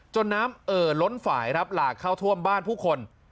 น้ำเอ่อล้นฝ่ายครับหลากเข้าท่วมบ้านผู้คน